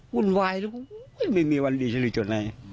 วุ่นไหวแล้วไม่มีวันดีจะยืนจนไหน